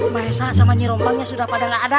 mahesa sama nyirombangnya sudah pada tidak ada